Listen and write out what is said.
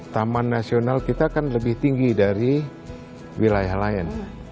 taman nasional kita kan lebih tinggi dari wilayah lain